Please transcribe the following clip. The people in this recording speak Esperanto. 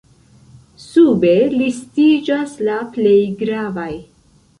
Sube listiĝas la plej gravaj.